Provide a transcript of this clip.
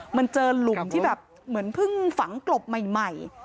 มันเจอหลุมที่แบบเหมือนเพิ่งฝังกลบใหม่